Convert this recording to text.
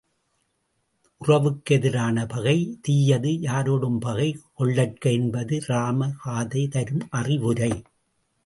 உறவுக்கு எதிரான பகை, தீயது யாரொடும் பகை கொள்ளற்க என்பது இராம காதை தரும் அறிவுரை.